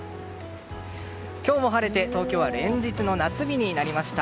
今日も晴れて東京は連日の夏日になりました。